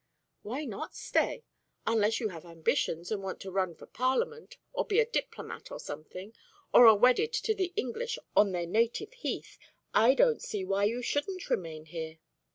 "Why not stay? Unless you have ambitions, and want to run for Parliament or be a diplomat or something, or are wedded to the English on their native heath, I don't see why you shouldn't remain here.